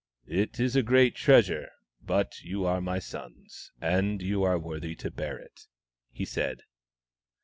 " It is a great treasure, but you are my sons, and you are worthy to bear it," he said.